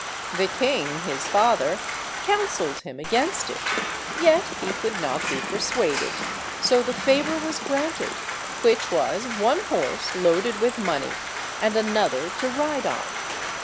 The king, his father, counselled him against it, yet he could not be persuaded, so the favour was granted, which was one horse loaded with money, and another to ride on.